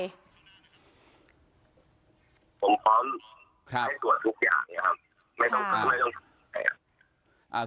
ผมพร้อมให้ตรวจทุกอย่างเนี่ยครับไม่ต้องไม่ต้องไม่ต้อง